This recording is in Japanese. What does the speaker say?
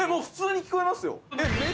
普通に聞こえますよ。